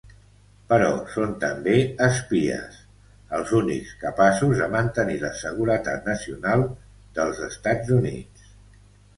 Però són també espies, els únics capaços de mantenir la seguretat nacional dels Estats Units.